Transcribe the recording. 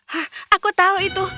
hah aku tahu itu